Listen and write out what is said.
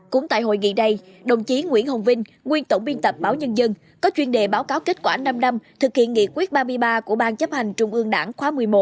cũng tại hội nghị đây đồng chí nguyễn hồng vinh nguyên tổng biên tập báo nhân dân có chuyên đề báo cáo kết quả năm năm thực hiện nghị quyết ba mươi ba của ban chấp hành trung ương đảng khóa một mươi một